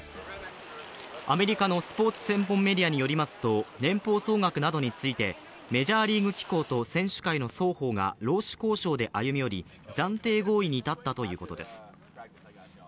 アメリカのスポーツ専門メディアによりますと、年俸総額などについてメジャーリーグ機構と選手会の双方が歩み寄り暫定合意に至ったということです。